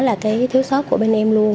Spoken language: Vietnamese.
là cái thiếu sót của bên em luôn